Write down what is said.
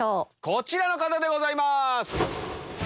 こちらの方でございます。